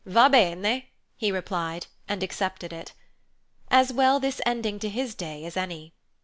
"Va bene," he replied, and accepted it. As well this ending to his day as any.